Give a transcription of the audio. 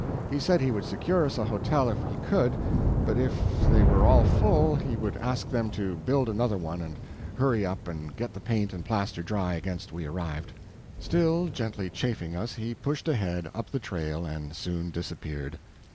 He said he would secure us a hotel if he could, but if they were all full he would ask them to build another one and hurry up and get the paint and plaster dry against we arrived. Still gently chaffing us, he pushed ahead, up the trail, and soon disappeared.